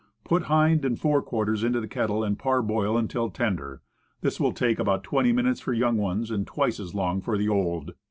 Put hind and fore quarters into the kettle, and parboil until tender. This will take about twenty minutes for young ones, and twice as long for the old.